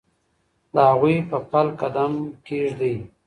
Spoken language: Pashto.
د هغوی په پل قدم کېږدئ.